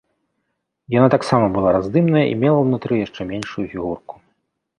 Яна таксама была раздымныя і мела ўнутры яшчэ меншую фігурку.